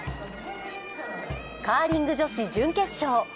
カーリング女子準決勝。